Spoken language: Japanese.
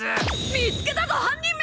見つけたぞ犯人め！